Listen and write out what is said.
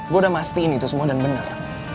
gue udah mastiin itu semua dan bener